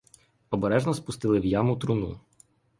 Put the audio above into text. Обережно спустили в яму труну.